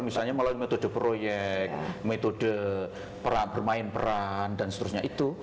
misalnya melalui metode proyek metode bermain peran dan seterusnya itu